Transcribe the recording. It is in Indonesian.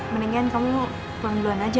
mendingan kamu pulang duluan aja